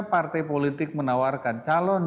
partai politik menawarkan calon